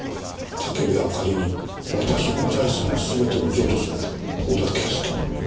「武部あかりに私の財産全てを譲渡する」「小田啓輔」